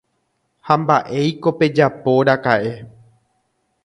Ha mba'éiko pejapóraka'e.